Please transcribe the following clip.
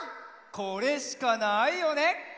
これしかないよね。